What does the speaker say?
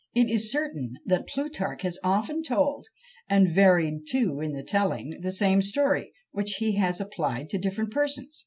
It is certain that Plutarch has often told, and varied too in the telling, the same story, which he has applied to different persons.